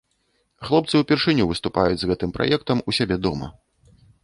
Хлопцы ўпершыню выступаюць з гэтым праектам у сябе дома.